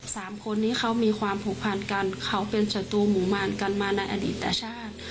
สามคนนี้เขามีความผูกพันกันเขาเป็นศัตรูหมู่มารกันมาในอดีตแต่ชาติ